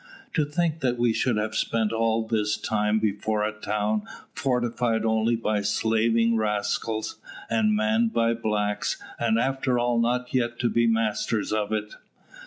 "To think that we should have spent all this time before a town fortified only by slaving rascals, and manned by blacks, and after all not yet to be masters of it!"